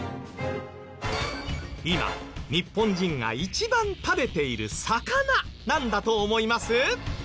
今日本人が一番食べている魚なんだと思います？